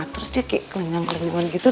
terus dia kayak kelengang kelenggaman gitu